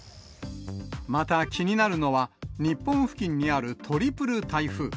また気になるのは、日本付近にあるトリプル台風。